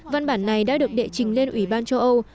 văn bản này đã được đệ trình lên ủy ban châu âu